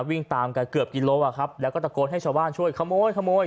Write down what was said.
วิ่งตามกันเกือบกิโลอ่ะครับแล้วก็ตะโกนให้ชาวบ้านช่วยขโมยขโมย